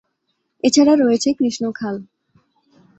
এছাড়া রয়েছে কৃষ্ণ খাল।